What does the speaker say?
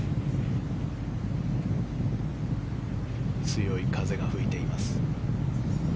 強い風が吹いています。